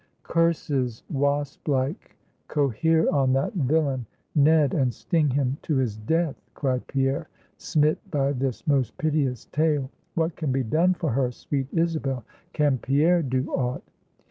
"Curses, wasp like, cohere on that villain, Ned, and sting him to his death!" cried Pierre, smit by this most piteous tale. "What can be done for her, sweet Isabel; can Pierre do aught?"